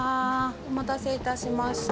お待たせいたしました。